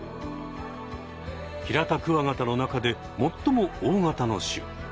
ヒラタクワガタの中で最も大型の種。